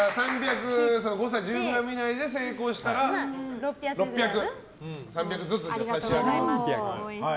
誤差１０ｇ以内で成功したら６００。３００ずつ差し上げます。